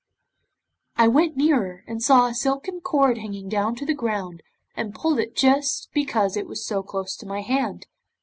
'I went nearer, and saw a silken cord hanging down to the ground, and pulled it just because it was so close to my hand.